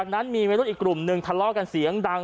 นะฮะ